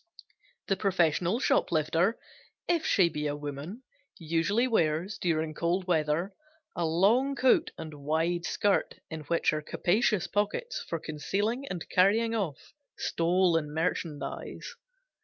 The professional shoplifter, if she be a woman, usually wears, during cold weather, a long coat and wide skirt in which are capacious pockets for concealing and carrying off stolen merchandise.